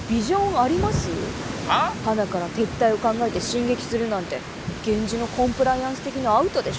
はなから撤退を考えて進撃するなんて源氏のコンプライアンス的にアウトでしょ。